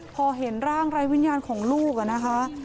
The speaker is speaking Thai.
พอเห็นร่างไร้วิญญาณของลูกอะนะคะ